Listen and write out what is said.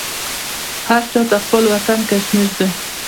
هر چا ته خپل وطن کشمیر دی